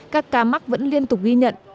các ca mắc vẫn liên tục ghi nhận